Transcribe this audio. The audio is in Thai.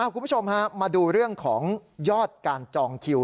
คุณผู้ชมฮะมาดูเรื่องของยอดการจองคิว